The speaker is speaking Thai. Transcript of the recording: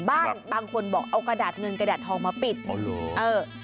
บางคนบอกเอากระดาษเงินกระดาษทองมาปิดเออ